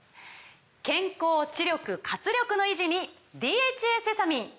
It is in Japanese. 健康・知力・活力の維持に「ＤＨＡセサミン」！